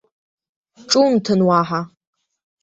Ҿумҭын уаҳа!